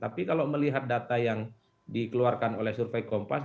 tapi kalau melihat data yang dikeluarkan oleh survei kompas